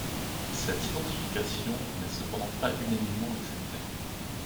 Cette identification n’est cependant pas unanimement acceptée.